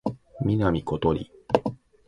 南ことり